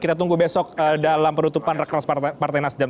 kita tunggu besok dalam penutupan reklas partai nasjid